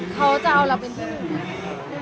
เขาจะเอาเราเป็นที่หนึ่ง